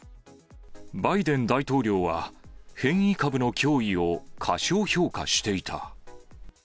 バイデン大統領は、変異株の脅威を過小評価していた。